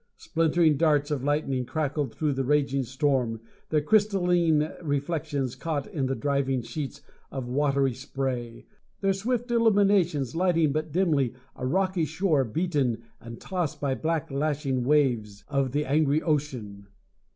Splintering darts of lightning crackled through the raging storm, their crystalline reflection caught in the driving sheets of watery spray; their swift illumination lighting but dimly a rocky shore beaten and tossed by black lashing waves of the angry ocean.